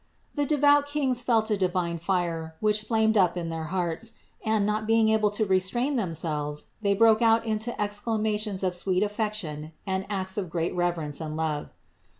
The devout kings felt a divine fire, which flamed up in their hearts, and, not being able to restrain themselves, they broke out into exclamations of sweet affection and acts of great reverence and love.